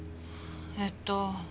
えっと